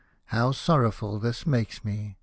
How sorrowful this makes me !